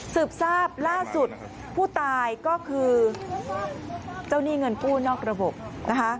สิบทราบล่าสุดผู้ตายก็คือเจ้าหนี้เงินกู้นอกระบบนะคะ